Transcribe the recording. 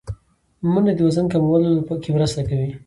منډه د وزن کمولو کې مرسته کوي